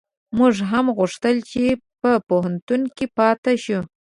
موږ هم غوښتل چي په پوهنتون کي پاته شو